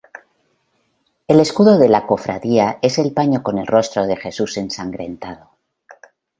El escudo de la cofradía es el paño con el rostro de Jesús ensangrentado.